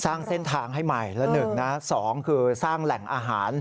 สร้างเส้นทางให้ใหม่และ๑นะ๒คือสร้างแหล่งอาหาร